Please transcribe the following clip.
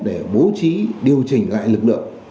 để bố trí điều chỉnh lại lực lượng